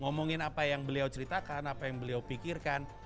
ngomongin apa yang beliau ceritakan apa yang beliau pikirkan